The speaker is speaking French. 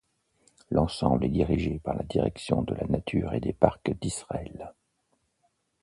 L'ensemble est dirigé par la Direction de la Nature et des Parcs d'Israël.